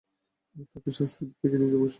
তাকে শাস্তি দিতে গিয়ে নিজের ভবিষ্যত নষ্ট করেছো।